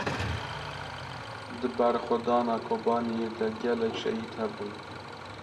Di berxwedana Kobaniyê de gelek şehîd hebûn.